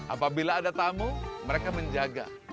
apabila ada tamu mereka menjaga